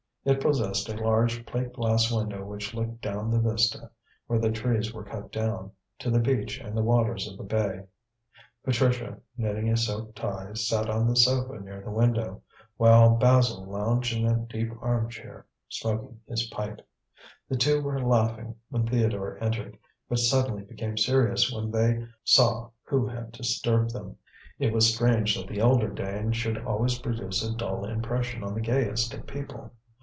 It possessed a large plate glass window which looked down the vista, where the trees were cut down, to the beach and the waters of the bay. Patricia, knitting a silk tie, sat on the sofa near the window, while Basil lounged in a deep arm chair smoking his pipe. The two were laughing when Theodore entered, but suddenly became serious when they saw who had disturbed them. It was strange that the elder Dane should always produce a dull impression on the gayest of people.